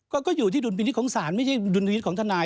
ก็อยู่ที่ดุลปินิฤทธิ์ของศาลไม่ใช่ดุลปินิฤทธิ์ของทนาย